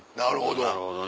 なるほど。